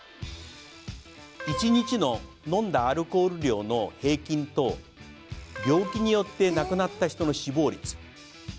１日の飲んだアルコール量の平均と病気によって亡くなった人の死亡率